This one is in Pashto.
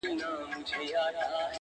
په خِلقت کي مي حکمت د سبحان وینم,